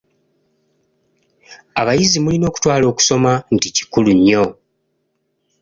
Abayizi mulina okutwala okusoma nti kikulu nnyo.